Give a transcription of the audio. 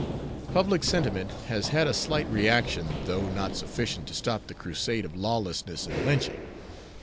Public sentiment has had a slight "reaction" though not sufficient to stop the crusade of lawlessness and lynching.